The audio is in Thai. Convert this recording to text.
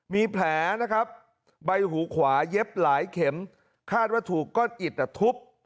มีแผลนะครับใบหูขวาเย็บหลายเข็มคาดว่าถูกก้อนอิดทุบ